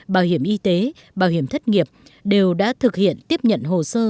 bảo hiểm y tế bảo hiểm thất nghiệp đều đã thực hiện tiếp nhận hồ sơ